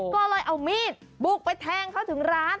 ก็เลยเอามีดบุกไปแทงเขาถึงร้าน